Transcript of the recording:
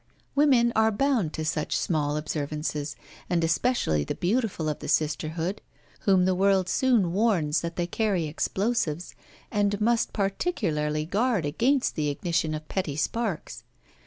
Women are bound to such small observances, and especially the beautiful of the sisterhood, whom the world soon warns that they carry explosives and must particularly guard against the ignition of petty sparks.